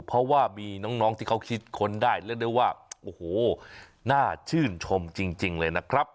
เพราะว่ามีน้องที่เขาคิดค้นได้เรียกได้ว่าโอ้โหน่าชื่นชมจริงเลยนะครับ